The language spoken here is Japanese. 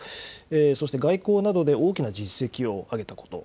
そして外交などで大きな実績を上げたこと。